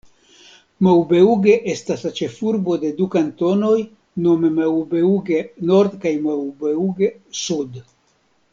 Maubeuge estas la ĉefurbo de du kantonoj, nome Maubeuge-Nord kaj Maubeuge-Sud.